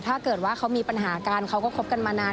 ถ้าเกิดว่าเขามีปัญหากันเขาก็คบกันมานาน